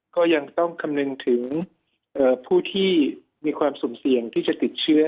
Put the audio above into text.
ก็ยังต้องคำนึงถึงผู้ที่มีความสุ่มเสี่ยงที่จะติดเชื้อ